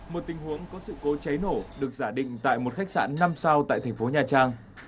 một tình huống có sự cố cháy nổ được giả định tại một khách sạn năm sao tại thành phố nha trang